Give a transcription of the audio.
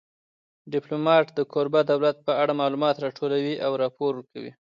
ډیپلومات د کوربه دولت په اړه معلومات راټولوي او راپور ورکوي